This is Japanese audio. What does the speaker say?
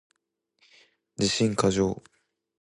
自信過剰